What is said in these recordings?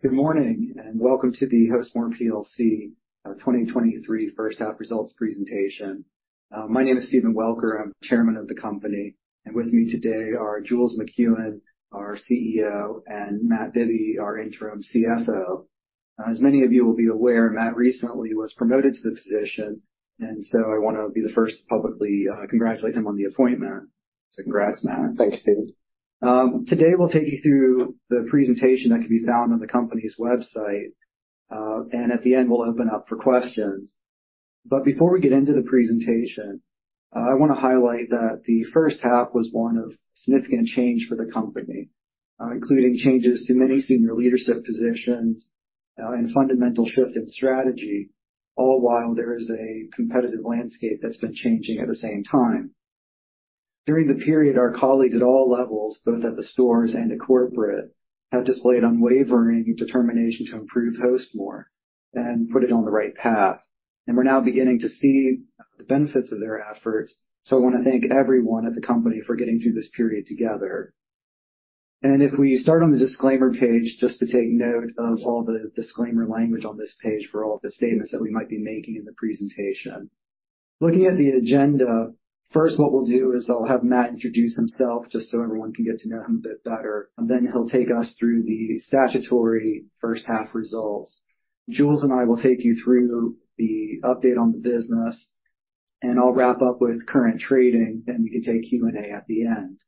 Good morning, and welcome to the Hostmore plc 2023 first half results presentation. My name is Stephen Welker, I'm Chairman of the company, and with me today are Julie McEwan, our CEO, and Matt Bibby, our interim CFO. As many of you will be aware, Matt recently was promoted to the position, and so I want to be the first to publicly congratulate him on the appointment. So congrats, Matt. Thanks, Stephen. Today we'll take you through the presentation that can be found on the company's website. At the end, we'll open up for questions. But before we get into the presentation, I want to highlight that the first half was one of significant change for the company, including changes to many senior leadership positions, and fundamental shift in strategy, all while there is a competitive landscape that's been changing at the same time. During the period, our colleagues at all levels, both at the stores and at corporate, have displayed unwavering determination to improve Hostmore and put it on the right path, and we're now beginning to see the benefits of their efforts. I want to thank everyone at the company for getting through this period together. If we start on the disclaimer page, just to take note of all the disclaimer language on this page for all of the statements that we might be making in the presentation. Looking at the agenda, first, what we'll do is I'll have Matt introduce himself just so everyone can get to know him a bit better, and then he'll take us through the statutory first half results. Jules and I will take you through the update on the business, and I'll wrap up with current trading, then we can take Q&A at the end.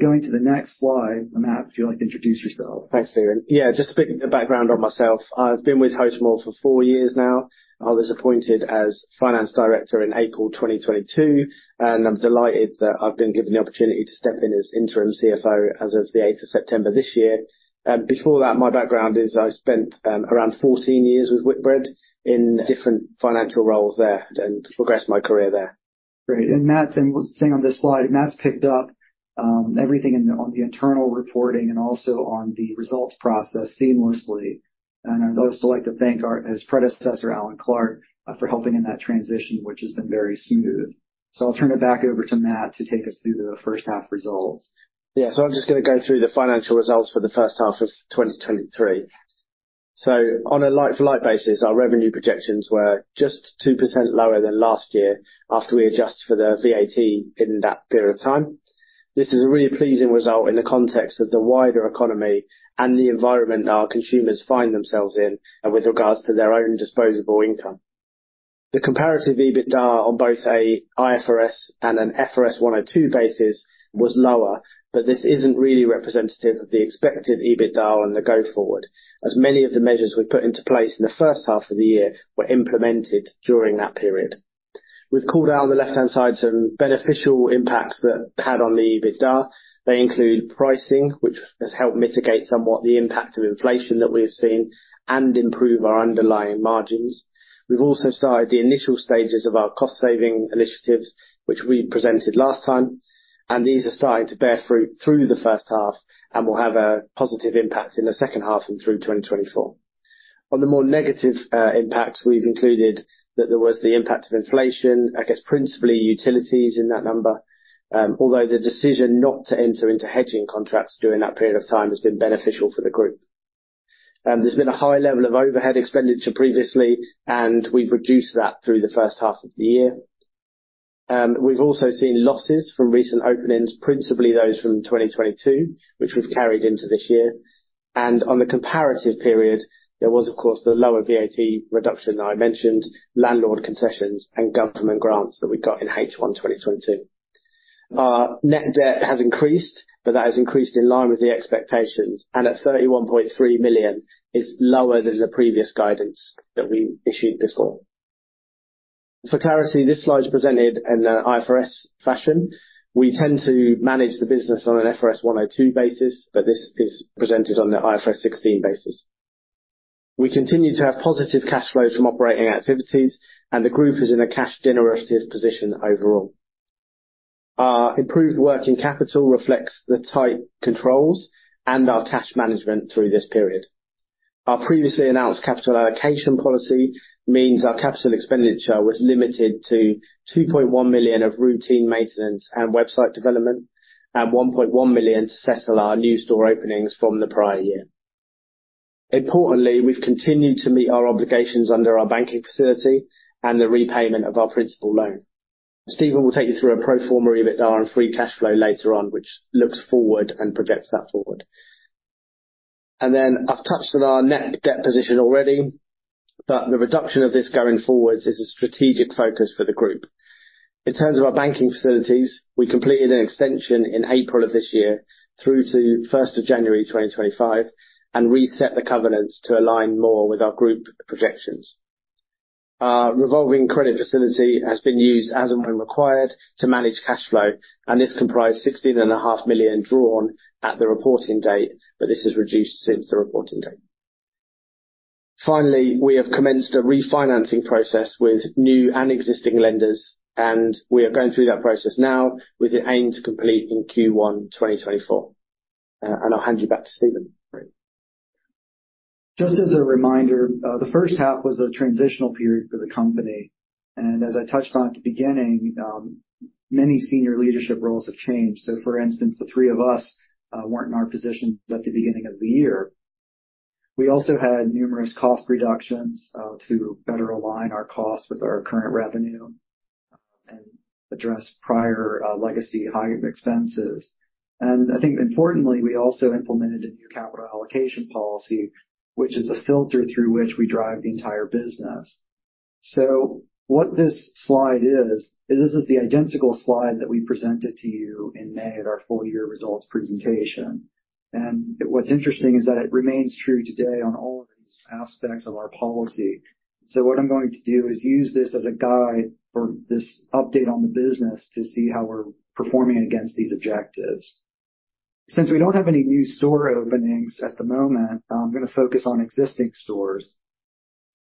Going to the next slide, Matt, if you'd like to introduce yourself. Thanks, Stephen. Yeah, just a bit of background on myself. I've been with Hostmore for four years now. I was appointed as Finance Director in April 2022, and I'm delighted that I've been given the opportunity to step in as interim CFO as of the 8th of September this year. Before that, my background is I spent around 14 years with Whitbread in different financial roles there and progressed my career there. Great. And Matt, and what's saying on this slide, Matt's picked up everything in the internal reporting and also on the results process seamlessly. And I'd also like to thank his predecessor, Alan Clark, for helping in that transition, which has been very smooth. So I'll turn it back over to Matt to take us through the first half results. Yeah. So I'm just gonna go through the financial results for the first half of 2023. So on a like-for-like basis, our revenue projections were just 2% lower than last year after we adjusted for the VAT in that period of time. This is a really pleasing result in the context of the wider economy and the environment our consumers find themselves in, and with regards to their own disposable income. The comparative EBITDA on both a IFRS and an FRS 102 basis was lower, but this isn't really representative of the expected EBITDA on the go forward, as many of the measures we put into place in the first half of the year were implemented during that period. We've called out on the left-hand side some beneficial impacts that it had on the EBITDA. They include pricing, which has helped mitigate somewhat the impact of inflation that we've seen and improve our underlying margins. We've also started the initial stages of our cost-saving initiatives, which we presented last time, and these are starting to bear fruit through the first half and will have a positive impact in the second half and through 2024. On the more negative impacts, we've included that there was the impact of inflation, I guess principally utilities in that number. Although the decision not to enter into hedging contracts during that period of time has been beneficial for the group. There's been a high level of overhead expenditure previously, and we've reduced that through the first half of the year. We've also seen losses from recent openings, principally those from 2022, which we've carried into this year. On the comparative period, there was, of course, the lower VAT reduction that I mentioned, landlord concessions and government grants that we got in H1 2022. Our net debt has increased, but that has increased in line with the expectations, and at 31.3 million is lower than the previous guidance that we issued before. For clarity, this slide is presented in an IFRS fashion. We tend to manage the business on an FRS 102 basis, but this is presented on the IFRS 16 basis. We continue to have positive cash flows from operating activities, and the group is in a cash generative position overall. Our improved working capital reflects the tight controls and our cash management through this period. Our previously announced capital allocation policy means our capital expenditure was limited to 2.1 million of routine maintenance and website development and 1.1 million to settle our new store openings from the prior year. Importantly, we've continued to meet our obligations under our banking facility and the repayment of our principal loan. Stephen will take you through a pro forma EBITDA and free cash flow later on, which looks forward and projects that forward. And then I've touched on our net debt position already, but the reduction of this going forward is a strategic focus for the group. In terms of our banking facilities, we completed an extension in April of this year through to the first of January 2025 and reset the covenants to align more with our group projections. Our revolving credit facility has been used as and when required to manage cash flow, and this comprised 16.5 million drawn at the reporting date, but this has reduced since the reporting date. Finally, we have commenced a refinancing process with new and existing lenders, and we are going through that process now with the aim to complete in Q1 2024. And I'll hand you back to Stephen. Great. Just as a reminder, the first half was a transitional period for the company, and as I touched on at the beginning, many senior leadership roles have changed. So for instance, the three of us weren't in our positions at the beginning of the year. We also had numerous cost reductions to better align our costs with our current revenue and address prior legacy high expenses. And I think importantly, we also implemented a new capital allocation policy, which is a filter through which we drive the entire business. So what this slide is, is this is the identical slide that we presented to you in May at our full year results presentation. And what's interesting is that it remains true today on all of these aspects of our policy. So what I'm going to do is use this as a guide for this update on the business to see how we're performing against these objectives. Since we don't have any new store openings at the moment, I'm gonna focus on existing stores.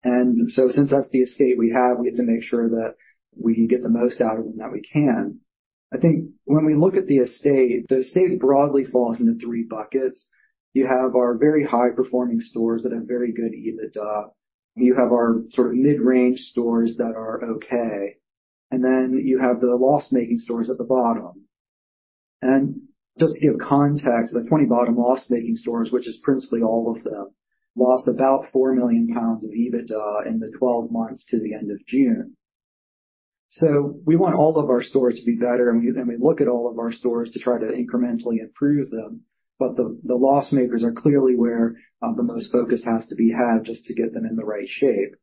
And so since that's the estate we have, we have to make sure that we can get the most out of them that we can. I think when we look at the estate, the estate broadly falls into three buckets. You have our very high performing stores that have very good EBITDA. You have our sort of mid-range stores that are okay, and then you have the loss-making stores at the bottom. And just to give context, the 20 bottom loss-making stores, which is principally all of them, lost about 4 million pounds of EBITDA in the 12 months to the end of June. So we want all of our stores to be better, and we look at all of our stores to try to incrementally improve them, but the loss makers are clearly where the most focus has to be had just to get them in the right shape.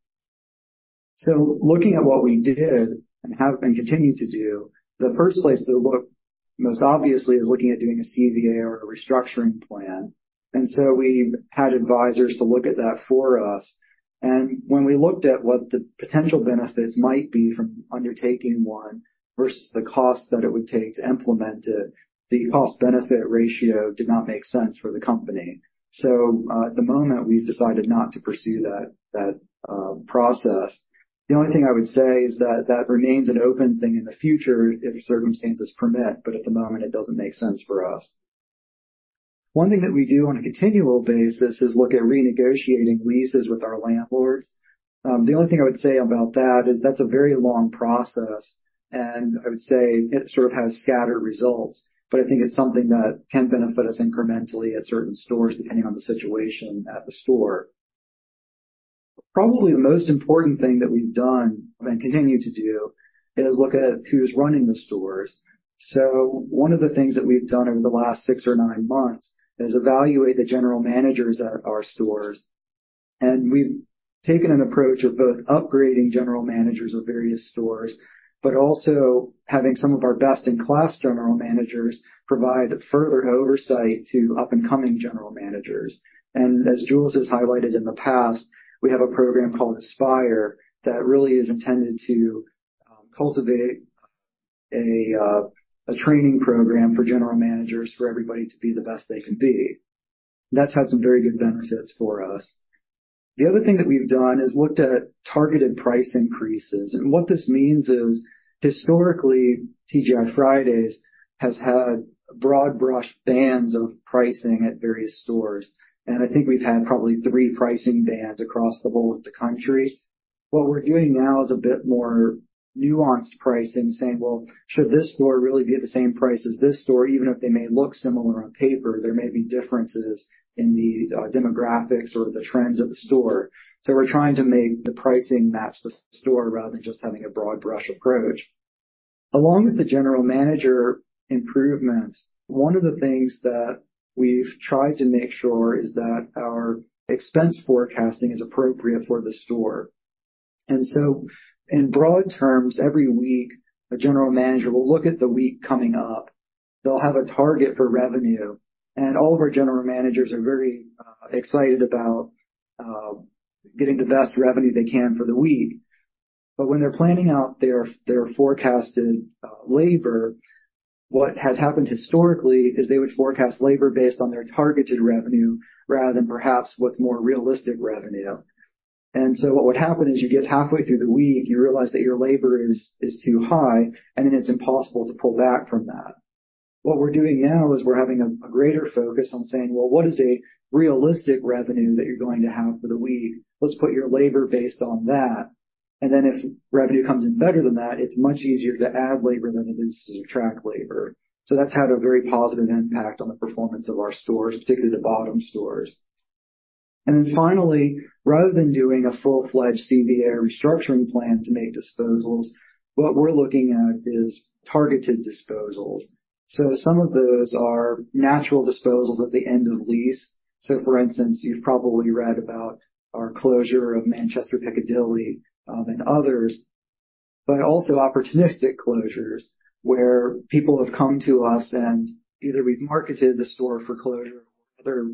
So looking at what we did and have, and continue to do, the first place to look, most obviously, is looking at doing a CVA or a restructuring plan. And so we've had advisors to look at that for us. And when we looked at what the potential benefits might be from undertaking one versus the cost that it would take to implement it, the cost-benefit ratio did not make sense for the company. So, at the moment, we've decided not to pursue that process. The only thing I would say is that that remains an open thing in the future if circumstances permit, but at the moment it doesn't make sense for us. One thing that we do on a continual basis is look at renegotiating leases with our landlords. The only thing I would say about that is that's a very long process, and I would say it sort of has scattered results. But I think it's something that can benefit us incrementally at certain stores, depending on the situation at the store. Probably the most important thing that we've done and continue to do is look at who's running the stores. So one of the things that we've done over the last six or nine months is evaluate the general managers at our stores, and we've taken an approach of both upgrading general managers of various stores, but also having some of our best-in-class general managers provide further oversight to up-and-coming general managers. And as Jules has highlighted in the past, we have a program called Aspire that really is intended to cultivate a training program for general managers, for everybody to be the best they can be. That's had some very good benefits for us. The other thing that we've done is looked at targeted price increases. And what this means is, historically, TGI Fridays has had broad brush bands of pricing at various stores, and I think we've had probably three pricing bands across the whole of the country. What we're doing now is a bit more nuanced pricing, saying, "Well, should this store really be at the same price as this store?" Even if they may look similar on paper, there may be differences in the demographics or the trends of the store. So we're trying to make the pricing match the store rather than just having a broad brush approach. Along with the general manager improvements, one of the things that we've tried to make sure is that our expense forecasting is appropriate for the store. And so in broad terms, every week, a general manager will look at the week coming up. They'll have a target for revenue, and all of our general managers are very excited about getting the best revenue they can for the week. But when they're planning out their forecasted labor, what has happened historically is they would forecast labor based on their targeted revenue rather than perhaps what's more realistic revenue. And so what would happen is you get halfway through the week, you realize that your labor is too high, and then it's impossible to pull back from that. What we're doing now is we're having a greater focus on saying, "Well, what is a realistic revenue that you're going to have for the week? Let's put your labor based on that." And then if revenue comes in better than that, it's much easier to add labor than it is to subtract labor. So that's had a very positive impact on the performance of our stores, particularly the bottom stores. Then finally, rather than doing a full-fledged CVA restructuring plan to make disposals, what we're looking at is targeted disposals. So some of those are natural disposals at the end of lease. So for instance, you've probably read about our closure of Manchester Piccadilly, and others, but also opportunistic closures, where people have come to us and either we've marketed the store for closure or other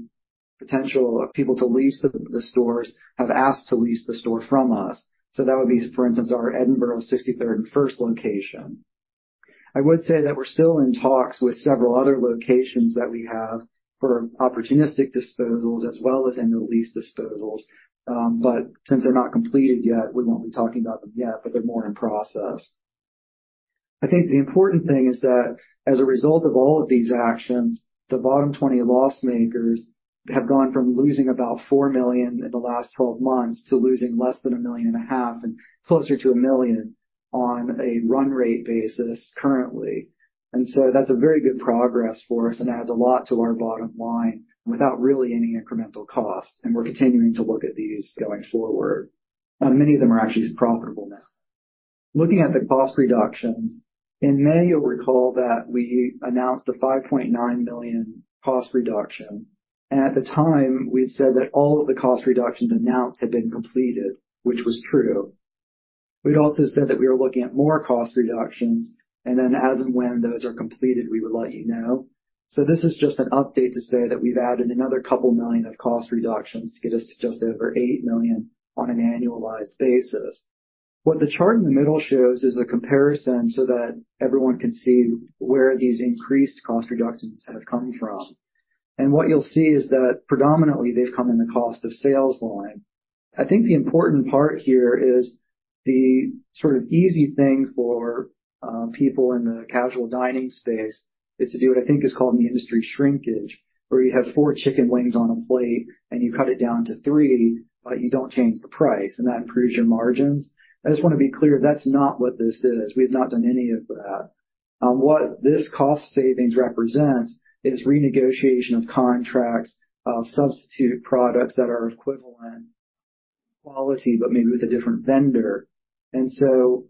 potential people to lease the stores have asked to lease the store from us. So that would be, for instance, our Edinburgh 63rd+1st location. I would say that we're still in talks with several other locations that we have for opportunistic disposals as well as end-of-lease disposals, but since they're not completed yet, we won't be talking about them yet, but they're more in process. I think the important thing is that as a result of all of these actions, the bottom 20 loss makers have gone from losing about 4 million in the last 12 months to losing less than 1.5 million and closer to 1 million on a run rate basis currently. And so that's a very good progress for us and adds a lot to our bottom line without really any incremental cost, and we're continuing to look at these going forward, and many of them are actually profitable now. Looking at the cost reductions, in May, you'll recall that we announced a 5.9 million cost reduction, and at the time, we had said that all of the cost reductions announced had been completed, which was true. We'd also said that we were looking at more cost reductions, and then as and when those are completed, we would let you know. So this is just an update to say that we've added another 2 million of cost reductions to get us to just over 8 million on an annualized basis. What the chart in the middle shows is a comparison so that everyone can see where these increased cost reductions have come from. And what you'll see is that predominantly, they've come in the cost of sales line. I think the important part here is the sort of easy thing for people in the casual dining space is to do what I think is called in the industry, shrinkage, where you have four chicken wings on a plate and you cut it down to three, but you don't change the price, and that improves your margins. I just want to be clear, that's not what this is. We've not done any of that. What this cost savings represents is renegotiation of contracts, substitute products that are of equivalent quality, but maybe with a different vendor. And so,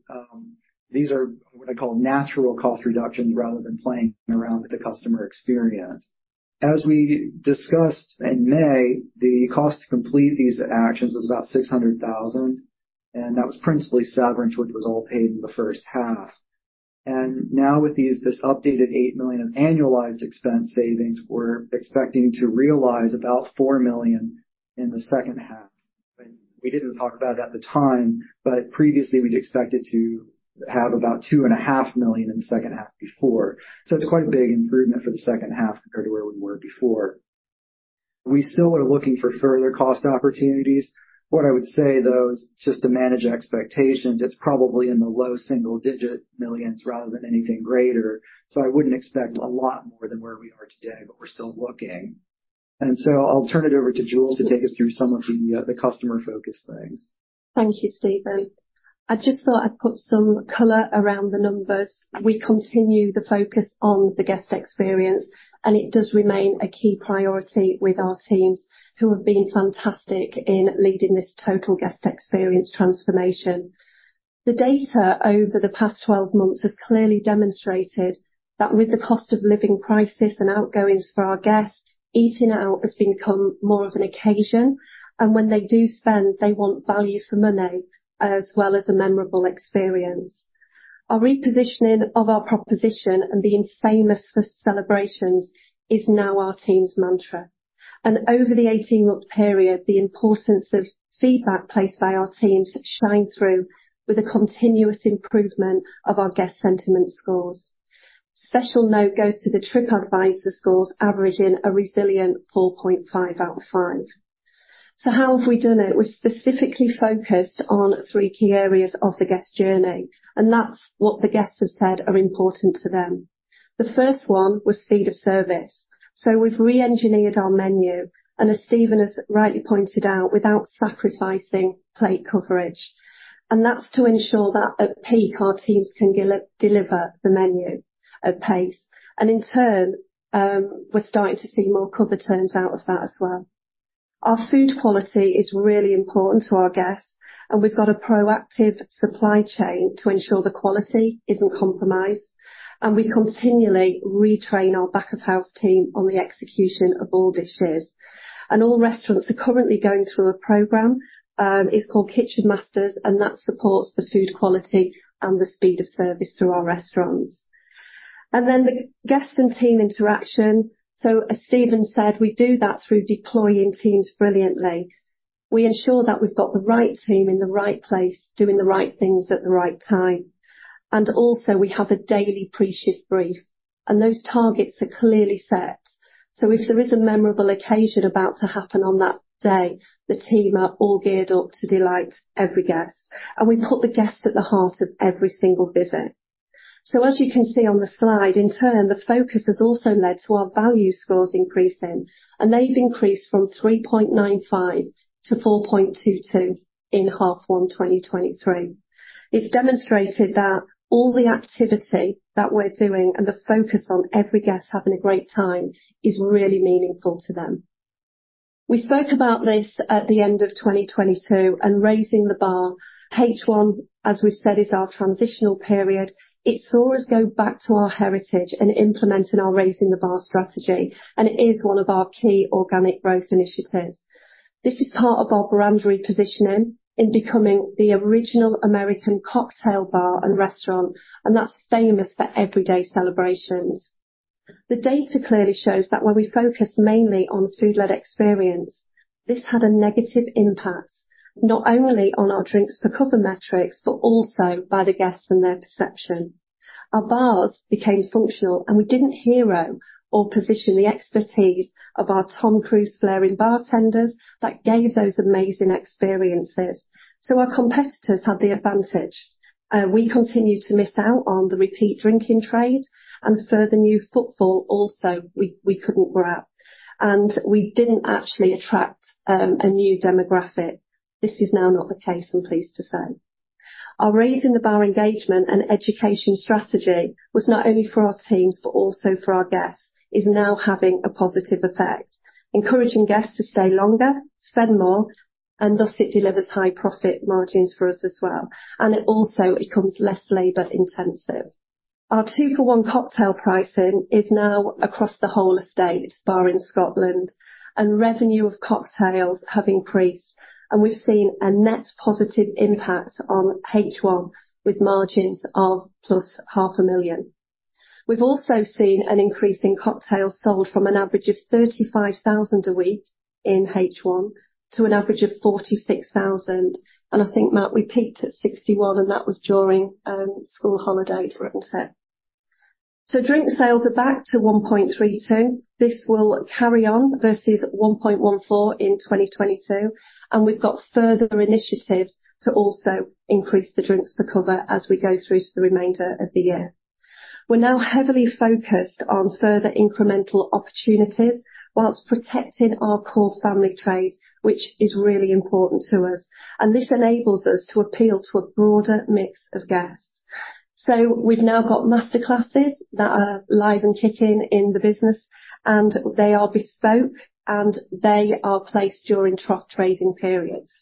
these are what I call natural cost reductions, rather than playing around with the customer experience. As we discussed in May, the cost to complete these actions was about 600,000 and that was principally severance, which was all paid in the first half. And now with these, this updated 8 million of annualized expense savings, we're expecting to realize about 4 million in the second half. And we didn't talk about it at the time, but previously we'd expected to have about 2.5 million in the second half before. So it's quite a big improvement for the second half compared to where we were before. We still are looking for further cost opportunities. What I would say, though, is just to manage expectations, it's probably in the low single-digit millions rather than anything greater. So I wouldn't expect a lot more than where we are today, but we're still looking. And so I'll turn it over to Jules to take us through some of the, the customer focus things. Thank you, Stephen. I just thought I'd put some color around the numbers. We continue the focus on the guest experience, and it does remain a key priority with our teams, who have been fantastic in leading this total guest experience transformation. The data over the past 12 months has clearly demonstrated that with the cost of living crisis and outgoings for our guests, eating out has become more of an occasion, and when they do spend, they want value for money as well as a memorable experience. Our repositioning of our proposition and being famous for celebrations is now our team's mantra, and over the 18-month period, the importance of feedback placed by our teams shine through with a continuous improvement of our guest sentiment scores. Special note goes to the TripAdvisor scores, averaging a resilient 4.5 out of 5. So how have we done it? We've specifically focused on three key areas of the guest journey, and that's what the guests have said are important to them. The first one was speed of service. So we've reengineered our menu, and as Stephen has rightly pointed out, without sacrificing plate coverage. And that's to ensure that at peak, our teams can deliver the menu at pace. And in turn, we're starting to see more cover turns out of that as well. Our food quality is really important to our guests, and we've got a proactive supply chain to ensure the quality isn't compromised, and we continually retrain our back-of-house team on the execution of all dishes. And all restaurants are currently going through a program, it's called Kitchen Masters, and that supports the food quality and the speed of service through our restaurants. And then the guests and team interaction. So as Stephen said, we do that through deploying teams brilliantly. We ensure that we've got the right team in the right place, doing the right things at the right time. And also we have a daily pre-shift brief, and those targets are clearly set. So if there is a memorable occasion about to happen on that day, the team are all geared up to delight every guest, and we put the guest at the heart of every single visit. So as you can see on the slide, in turn, the focus has also led to our value scores increasing, and they've increased from 3.95 to 4.22 in H1 2023. It's demonstrated that all the activity that we're doing and the focus on every guest having a great time is really meaningful to them. We spoke about this at the end of 2022 and Raising the Bar. H1, as we've said, is our transitional period. It saw us go back to our heritage and implementing our Raising the Bar strategy, and it is one of our key organic growth initiatives. This is part of our brand repositioning in becoming the original American cocktail bar and restaurant, and that's famous for everyday celebrations. The data clearly shows that when we focus mainly on food-led experience, this had a negative impact, not only on our drinks per cover metrics, but also by the guests and their perception. Our bars became functional, and we didn't hero or position the expertise of our Tom Cruise flairing bartenders that gave those amazing experiences. So our competitors had the advantage. We continued to miss out on the repeat drinking trade and further new footfall also, we, we couldn't grab, and we didn't actually attract a new demographic. This is now not the case, I'm pleased to say. Our Raising the Bar engagement and education strategy was not only for our teams, but also for our guests, is now having a positive effect, encouraging guests to stay longer, spend more, and thus it delivers high profit margins for us as well, and it also becomes less labor intensive. Our two-for-one cocktail pricing is now across the whole estate, bar in Scotland, and revenue of cocktails have increased, and we've seen a net positive impact on H1 with margins of +500,000. We've also seen an increase in cocktails sold from an average of 35,000 a week in H1 to an average of 46,000, and I think, Matt, we peaked at 61, and that was during school holidays, wasn't it? So drink sales are back to 1.32. This will carry on versus 1.14 in 2022, and we've got further initiatives to also increase the drinks per cover as we go through to the remainder of the year. We're now heavily focused on further incremental opportunities while protecting our core family trade, which is really important to us. And this enables us to appeal to a broader mix of guests. So we've now got master classes that are live and kicking in the business, and they are bespoke, and they are placed during trough trading periods.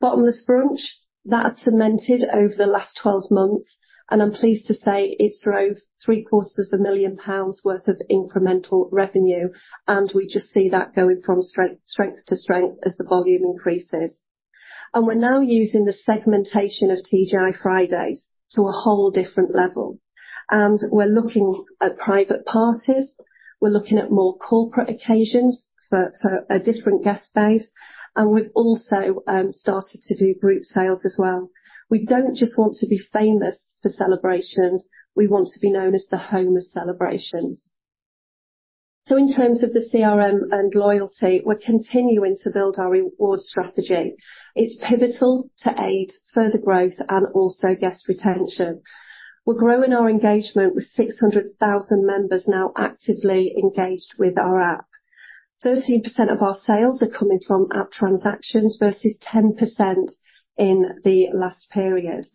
Bottomless brunch, that's cemented over the last 12 months, and I'm pleased to say it drove 750,000 pounds worth of incremental revenue, and we just see that going from strength to strength as the volume increases. We're now using the segmentation of TGI Fridays to a whole different level. We're looking at private parties, we're looking at more corporate occasions for a different guest base, and we've also started to do group sales as well. We don't just want to be famous for celebrations, we want to be known as the home of celebrations. So in terms of the CRM and loyalty, we're continuing to build our reward strategy. It's pivotal to aid further growth and also guest retention. We're growing our engagement with 600,000 members now actively engaged with our app. 13% of our sales are coming from app transactions versus 10% in the last period,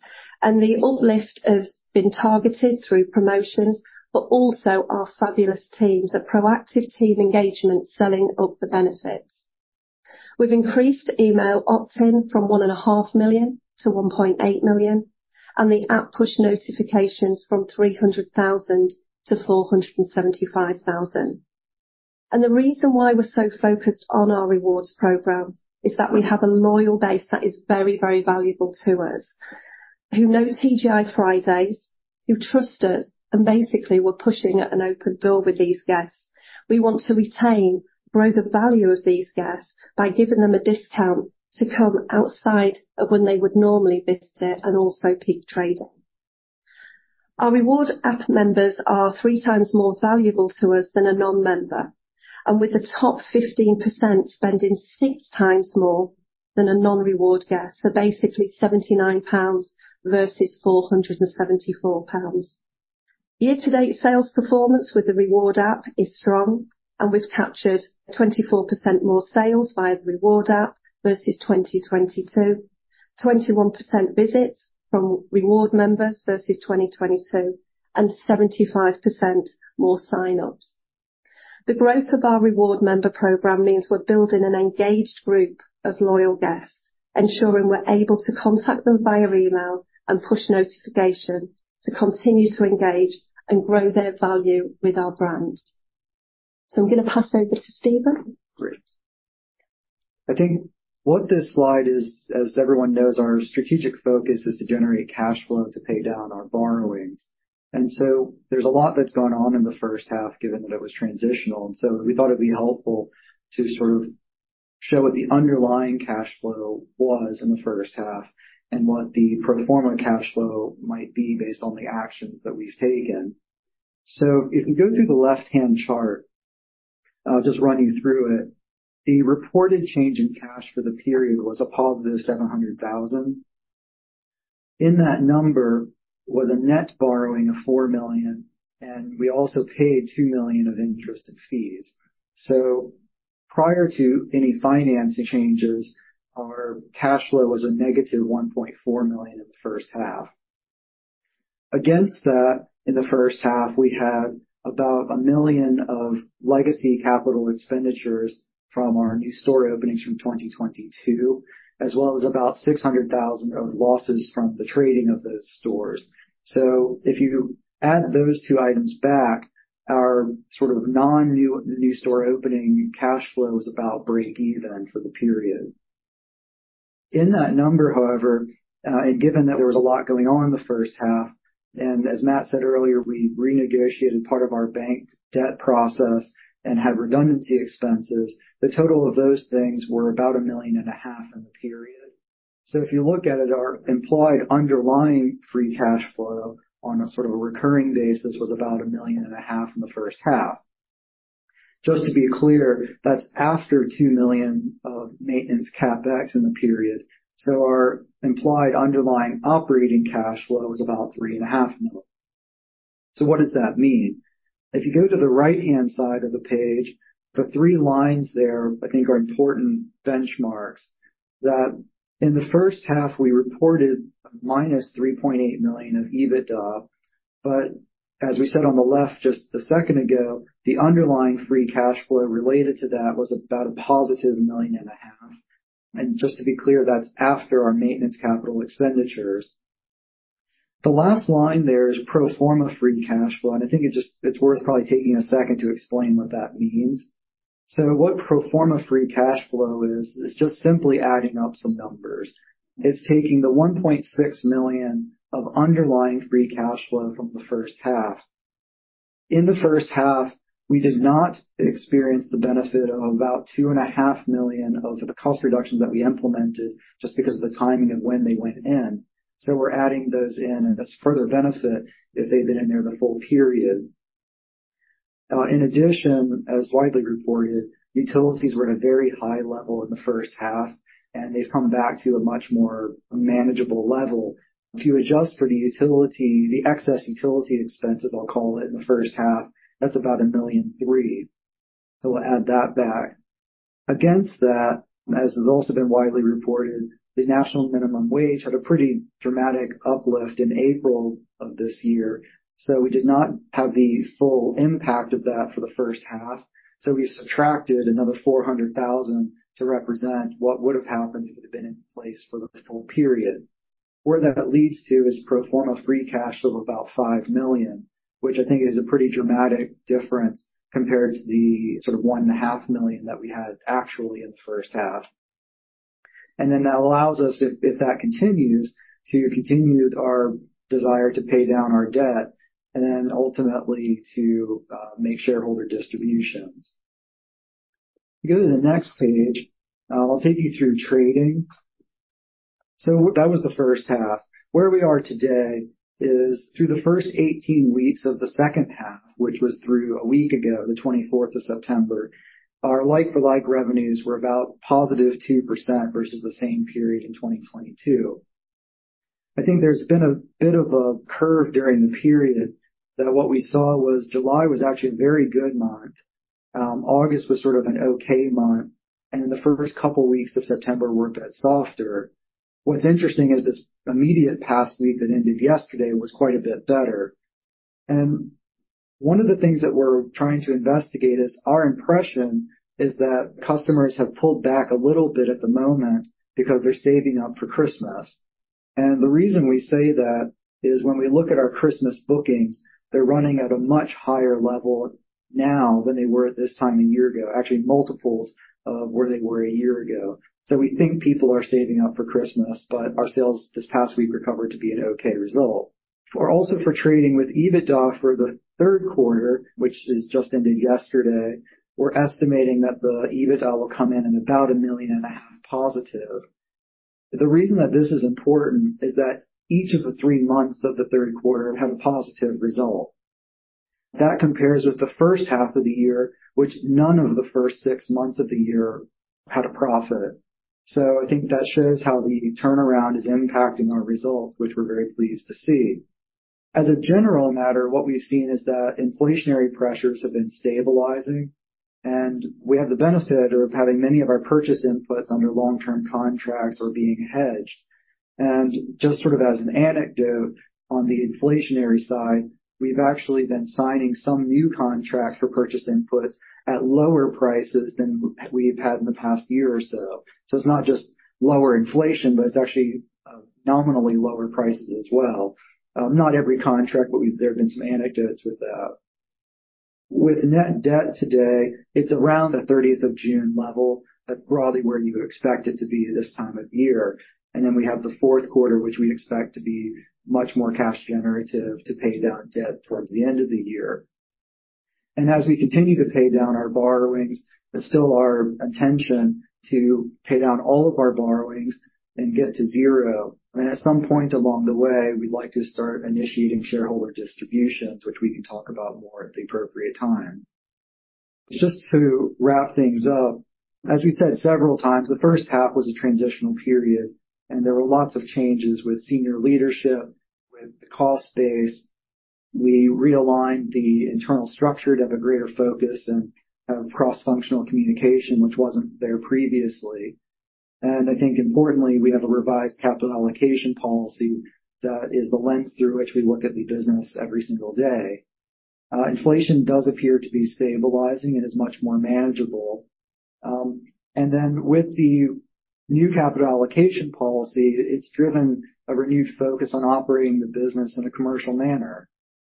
and the uplift has been targeted through promotions, but also our fabulous teams, a proactive team engagement, selling up the benefits. We've increased email opt-in from 1.5 million to 1.8 million, and the app push notifications from 300,000 to 475,000. The reason why we're so focused on our rewards program is that we have a loyal base that is very, very valuable to us, who know TGI Fridays, who trust us, and basically we're pushing at an open door with these guests. We want to retain, grow the value of these guests by giving them a discount to come outside of when they would normally visit and also peak trading. Our reward app members are three times more valuable to us than a non-member, and with the top 15% spending six times more than a non-reward guest. So basically 79 pounds versus 474 pounds. Year-to-date sales performance with the reward app is strong, and we've captured 24% more sales via the reward app versus 2022, 21% visits from reward members versus 2022, and 75% more sign-ups. The growth of our reward member program means we're building an engaged group of loyal guests, ensuring we're able to contact them via email and push notifications to continue to engage and grow their value with our brand. So I'm going to pass over to Stephen. Great. I think what this slide is, as everyone knows, our strategic focus is to generate cash flow, to pay down our borrowings. And so there's a lot that's gone on in the first half, given that it was transitional. And so we thought it'd be helpful to sort of show what the underlying cash flow was in the first half and what the pro forma cash flow might be based on the actions that we've taken. So if you go to the left-hand chart, I'll just run you through it. The reported change in cash for the period was a +700,000. In that number was a net borrowing of 4 million, and we also paid 2 million of interest and fees. So prior to any financing changes, our cash flow was a -1.4 million in the first half. Against that, in the first half, we had about 1 million of legacy capital expenditures from our new store openings from 2022, as well as about 600,000 of losses from the trading of those stores. So if you add those two items back, our sort of non-new, new store opening cash flow was about break even for the period. In that number, however, and given that there was a lot going on in the first half, and as Matt said earlier, we renegotiated part of our bank debt process and had redundancy expenses. The total of those things were about 1.5 million in the period. So if you look at it, our implied underlying free cash flow on a sort of a recurring basis, was about 1.5 million in the first half. Just to be clear, that's after 2 million of maintenance CapEx in the period. So our implied underlying operating cash flow is about 3.5 million. So what does that mean? If you go to the right-hand side of the page, the three lines there, I think, are important benchmarks, that in the first half, we reported -3.8 million of EBITDA. But as we said on the left just a second ago, the underlying free cash flow related to that was about a +1.5 million. And just to be clear, that's after our maintenance capital expenditures. The last line there is pro forma free cash flow, and I think it just, it's worth probably taking a second to explain what that means. So what pro forma free cash flow is, is just simply adding up some numbers. It's taking the 1.6 million of underlying free cash flow from the first half. In the first half, we did not experience the benefit of about 2.5 million of the cost reductions that we implemented just because of the timing of when they went in. So we're adding those in, and that's further benefit if they've been in there the full period. In addition, as widely reported, utilities were at a very high level in the first half, and they've come back to a much more manageable level. If you adjust for the utility, the excess utility expenses, I'll call it, in the first half, that's about 1.3 million. So we'll add that back. Against that, as has also been widely reported, the National Minimum Wage had a pretty dramatic uplift in April of this year, so we did not have the full impact of that for the first half. So we've subtracted another 400,000 to represent what would have happened if it had been in place for the full period. Where that leads to is pro forma free cash flow of about 5 million, which I think is a pretty dramatic difference compared to the sort of 1.5 million that we had actually in the first half. And then that allows us, if, if that continues, to continue our desire to pay down our debt and then ultimately to make shareholder distributions. If you go to the next page, I'll take you through trading. So that was the first half. Where we are today is through the first 18 weeks of the second half, which was through a week ago, the 24th of September, our Like-for-like revenues were about +2% versus the same period in 2022. I think there's been a bit of a curve during the period that what we saw was July was actually a very good month. August was sort of an okay month, and the first couple of weeks of September were a bit softer. What's interesting is this immediate past week that ended yesterday was quite a bit better. And one of the things that we're trying to investigate is our impression is that customers have pulled back a little bit at the moment because they're saving up for Christmas. The reason we say that is when we look at our Christmas bookings, they're running at a much higher level now than they were at this time a year ago, actually multiples of where they were a year ago. We think people are saving up for Christmas, but our sales this past week recovered to be an okay result. We're also forecasting EBITDA for the third quarter, which just ended yesterday. We're estimating that the EBITDA will come in at about 1.5 million positive. The reason that this is important is that each of the three months of the third quarter had a positive result. That compares with the first half of the year, which none of the first six months of the year had a profit. So I think that shows how the turnaround is impacting our results, which we're very pleased to see. As a general matter, what we've seen is that inflationary pressures have been stabilizing, and we have the benefit of having many of our purchase inputs under long-term contracts or being hedged. And just sort of as an anecdote on the inflationary side, we've actually been signing some new contracts for purchase inputs at lower prices than we've had in the past year or so. So it's not just lower inflation, but it's actually nominally lower prices as well. Not every contract, but there have been some anecdotes with that. With net debt today, it's around the thirtieth of June level. That's broadly where you would expect it to be this time of year. And then we have the fourth quarter, which we expect to be much more cash generative, to pay down debt towards the end of the year. And as we continue to pay down our borrowings, it's still our intention to pay down all of our borrowings and get to zero. And at some point along the way, we'd like to start initiating shareholder distributions, which we can talk about more at the appropriate time. Just to wrap things up, as we said several times, the first half was a transitional period, and there were lots of changes with senior leadership, with the cost base. We realigned the internal structure to have a greater focus and have cross-functional communication, which wasn't there previously. And I think importantly, we have a revised capital allocation policy that is the lens through which we look at the business every single day. Inflation does appear to be stabilizing and is much more manageable. And then with the new capital allocation policy, it's driven a renewed focus on operating the business in a commercial manner.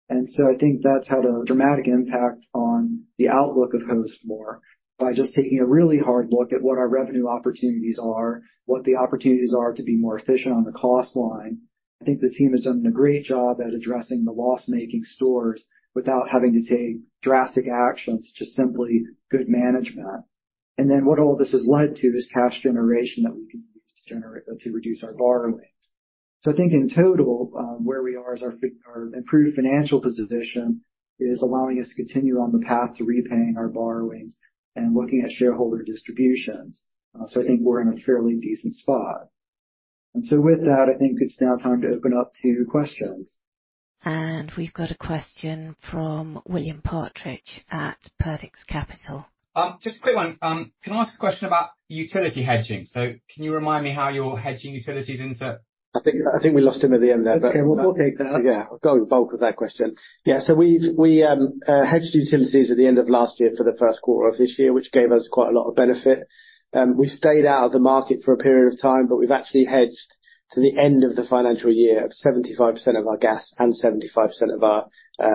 And so I think that's had a dramatic impact on the outlook of Hostmore by just taking a really hard look at what our revenue opportunities are, what the opportunities are to be more efficient on the cost line. I think the team has done a great job at addressing the loss-making stores without having to take drastic actions, just simply good management. And then what all this has led to is cash generation that we can use to generate to reduce our borrowings. So I think in total, where we are is our improved financial position is allowing us to continue on the path to repaying our borrowings and looking at shareholder distributions. So I think we're in a fairly decent spot. So with that, I think it's now time to open up to questions. We've got a question from William Partridge at Perdix Capital. Just a quick one. Can I ask a question about utility hedging? So can you remind me how you're hedging utilities into— I think, I think we lost him at the end there, but— Okay. We'll take that. Yeah, go with the bulk of that question. Yeah, so we've hedged utilities at the end of last year for the first quarter of this year, which gave us quite a lot of benefit. We stayed out of the market for a period of time, but we've actually hedged to the end of the financial year, 75% of our gas and 75% of our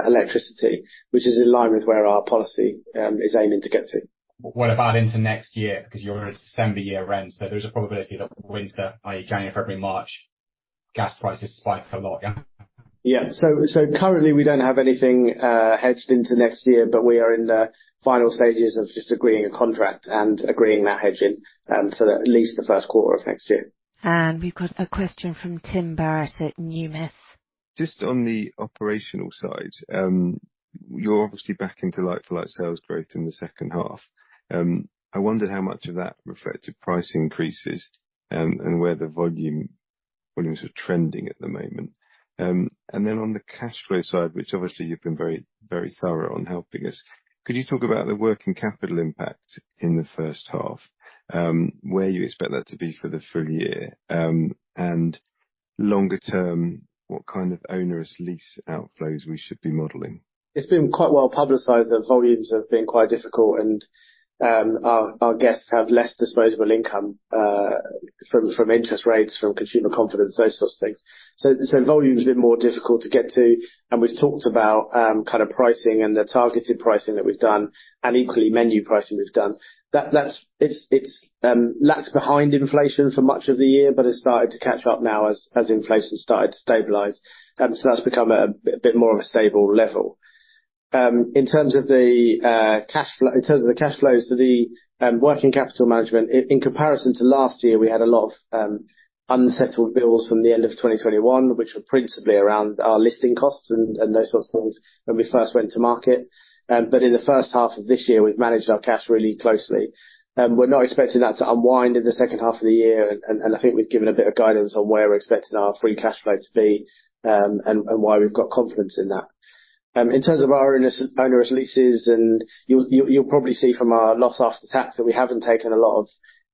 electricity, which is in line with where our policy is aiming to get to. What about into next year? Because you're on a December year rent, so there's a probability that winter, i.e., January, February, March, gas prices spike a lot. Yeah. Yeah. So currently, we don't have anything hedged into next year, but we are in the final stages of just agreeing a contract and agreeing that hedging for at least the first quarter of next year. We've got a question from Tim Barrett at Numis. Just on the operational side, you're obviously back into like-for-like sales growth in the second half. I wondered how much of that reflected price increases and, and where the volume, volumes are trending at the moment. And then on the cash flow side, which obviously you've been very, very thorough on helping us, could you talk about the working capital impact in the first half, where you expect that to be for the full year? And longer term, what kind of onerous lease outflows we should be modeling? It's been quite well publicized that volumes have been quite difficult, and our guests have less disposable income from interest rates, from consumer confidence, those sorts of things. So volume's been more difficult to get to, and we've talked about kind of pricing and the targeted pricing that we've done, and equally menu pricing we've done. That's. It's lagged behind inflation for much of the year, but it's started to catch up now as inflation started to stabilize. So that's become a bit more of a stable level. In terms of the cash flow, in terms of the cash flows to the working capital management, in comparison to last year, we had a lot of unsettled bills from the end of 2021, which were principally around our listing costs and those sorts of things when we first went to market. But in the first half of this year, we've managed our cash really closely. We're not expecting that to unwind in the second half of the year, and I think we've given a bit of guidance on where we're expecting our free cash flow to be, and why we've got confidence in that. In terms of our onerous leases, and you'll probably see from our loss after tax, that we haven't taken a lot of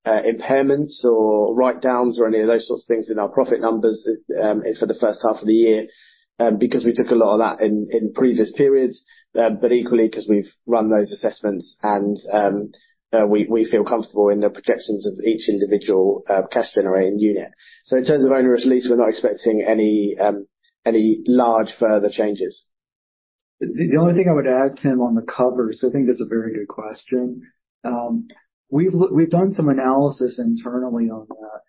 impairments or write-downs or any of those sorts of things in our profit numbers, for the first half of the year, because we took a lot of that in previous periods, but equally because we've run those assessments and we feel comfortable in the projections of each individual cash generating unit. So in terms of onerous leases, we're not expecting any large further changes. The only thing I would add, Tim, on the covers, I think that's a very good question. We've done some analysis internally on that,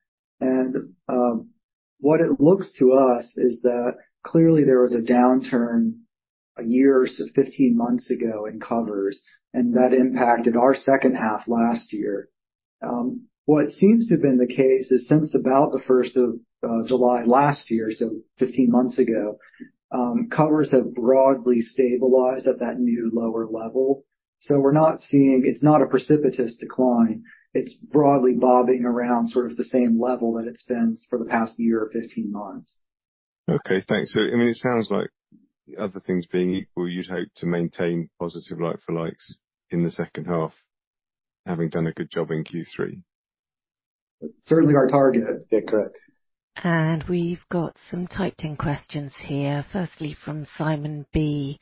and what it looks to us is that clearly there was a downturn a year or so, 15 months ago, in covers, and that impacted our second half last year. What seems to have been the case is since about the first of July last year, so 15 months ago, covers have broadly stabilized at that new lower level. So we're not seeing—it's not a precipitous decline. It's broadly bobbing around, sort of the same level that it's been for the past year or 15 months. Okay, thanks. So, I mean, it sounds like other things being equal, you'd hope to maintain positive like-for-likes in the second half, having done a good job in Q3. Certainly our target. Yeah, correct. We've got some typed in questions here. Firstly, from Simon B: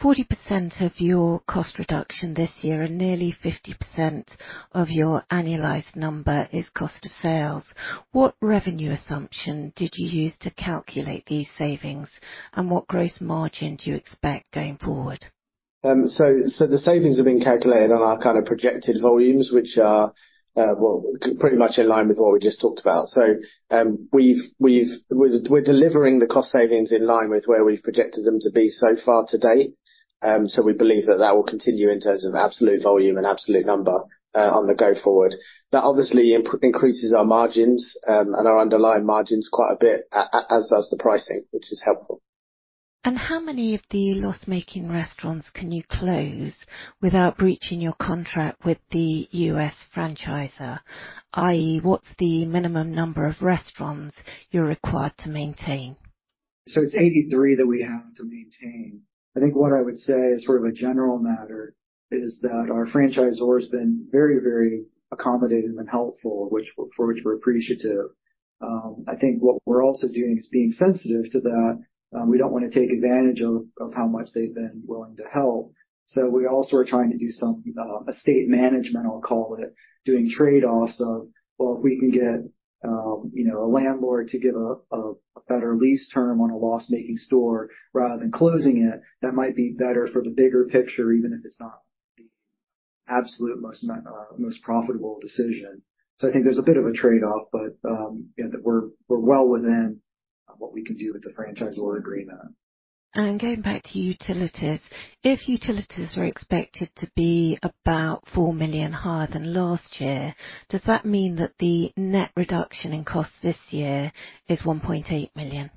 40% of your cost reduction this year and nearly 50% of your annualized number is cost of sales. What revenue assumption did you use to calculate these savings, and what gross margin do you expect going forward? So, the savings have been calculated on our kind of projected volumes, which are, well, pretty much in line with what we just talked about. So, we've. We're delivering the cost savings in line with where we've projected them to be so far to date. So we believe that that will continue in terms of absolute volume and absolute number, on the go-forward. That obviously increases our margins, and our underlying margins quite a bit, as does the pricing, which is helpful. How many of the loss-making restaurants can you close without breaching your contract with the U.S. franchisor, i.e., what's the minimum number of restaurants you're required to maintain? So it's 83 that we have to maintain. I think what I would say as sort of a general matter is that our franchisor has been very, very accommodating and helpful, which, for which we're appreciative. I think what we're also doing is being sensitive to that. We don't want to take advantage of how much they've been willing to help. So we also are trying to do some estate management, I'll call it, doing trade-offs of, well, if we can get you know, a landlord to give a better lease term on a loss-making store rather than closing it, that might be better for the bigger picture, even if it's not the absolute most profitable decision. So I think there's a bit of a trade-off, but yeah, we're well within what we can do with the franchisor agreement. Going back to utilities, if utilities are expected to be about 4 million higher than last year, does that mean that the net reduction in cost this year is 1.8 million?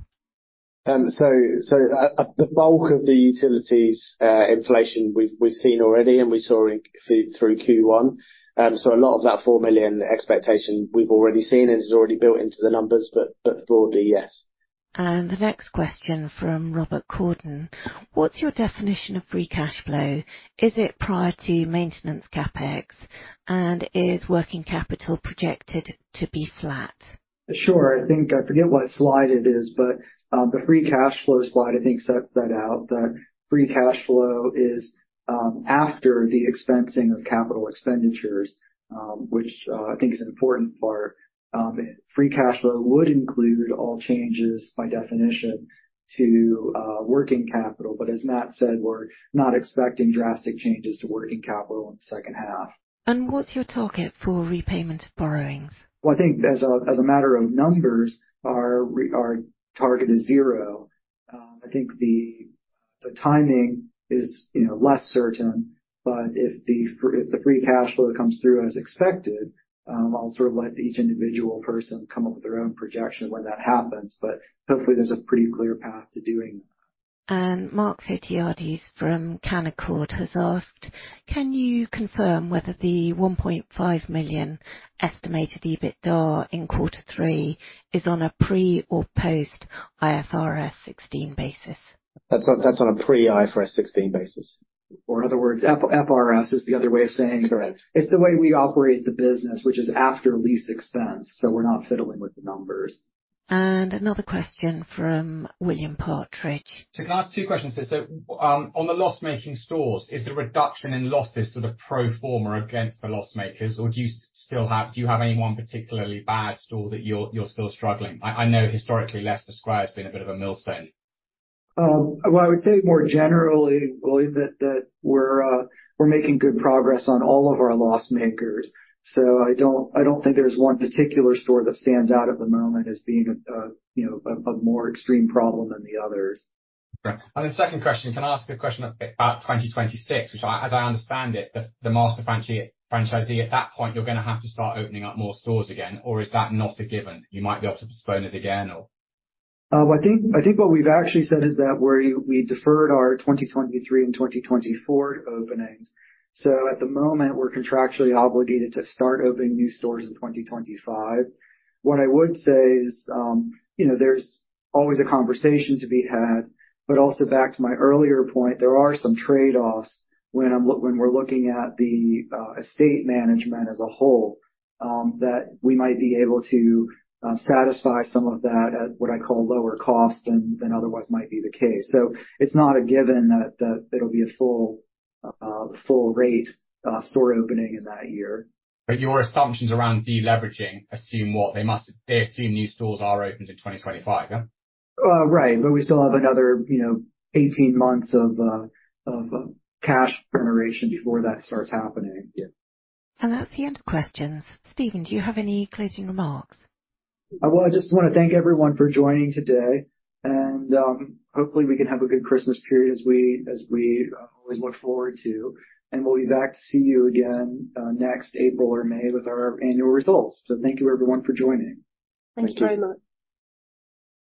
The bulk of the utilities inflation we've seen already, and we saw through Q1. So a lot of that 4 million expectation we've already seen and is already built into the numbers, but broadly, yes. The next question from Robert Corden: What's your definition of free cash flow? Is it prior to maintenance CapEx, and is working capital projected to be flat? Sure. I think I forget what slide it is, but, the free cash flow slide, I think, sets that out. The free cash flow is, after the expensing of capital expenditures, which, I think is an important part. Free cash flow would include all changes by definition to, working capital. But as Matt said, we're not expecting drastic changes to working capital in the second half. What's your target for repayment of borrowings? Well, I think as a matter of numbers, our target is zero. I think the timing is, you know, less certain, but if the free cash flow comes through as expected, I'll sort of let each individual person come up with their own projection when that happens, but hopefully there's a pretty clear path to doing that. Mark Photiades from Canaccord has asked, "Can you confirm whether the 1.5 million estimated EBITDA in quarter three is on a pre- or post-IFRS 16 basis? That's on, that's on a pre-IFRS 16 basis. Or in other words, IFRS is the other way of saying- Correct. It's the way we operate the business, which is after lease expense, so we're not fiddling with the numbers. Another question from William Partridge. So can I ask two questions? On the loss-making stores, is the reduction in losses sort of pro forma against the loss-makers, or do you have any one particularly bad store that you're still struggling? I know historically, Leicester Square has been a bit of a millstone. Well, I would say more generally, William, that we're making good progress on all of our loss-makers, so I don't think there's one particular store that stands out at the moment as being a, you know, a more extreme problem than the others. Great. And the second question, can I ask a question about 2026, which as I understand it, the master franchisor, at that point, you're gonna have to start opening up more stores again, or is that not a given? You might be able to postpone it again or? I think, I think what we've actually said is that we're, we deferred our 2023 and 2024 openings. So at the moment, we're contractually obligated to start opening new stores in 2025. What I would say is, you know, there's always a conversation to be had, but also back to my earlier point, there are some trade-offs when we're looking at the estate management as a whole, that we might be able to satisfy some of that at, what I call, lower cost than otherwise might be the case. So it's not a given that it'll be a full, full rate store opening in that year. But your assumptions around deleveraging assume what? They must, they assume new stores are open in 2025, yeah? Right. But we still have another, you know, 18 months of cash generation before that starts happening. Yeah. That's the end of questions. Stephen, do you have any closing remarks? Well, I just wanna thank everyone for joining today, and hopefully, we can have a good Christmas period as we always look forward to. We'll be back to see you again next April or May with our annual results. Thank you, everyone, for joining. Thanks very much.